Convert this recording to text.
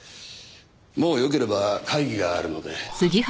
もうよければ会議があるので。